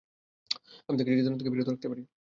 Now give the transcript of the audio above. আমি তোকে জেতানো থেকে বিরত রাখতে পারি।